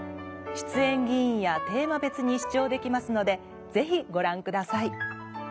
出演議員やテーマ別に視聴できますのでぜひご覧ください。